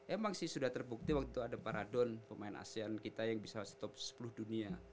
emang sih sudah terbukti waktu itu ada paradon pemain asean kita yang bisa stop sepuluh dunia